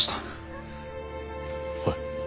おい。